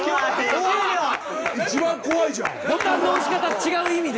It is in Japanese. ボタンの押し方違う意味で。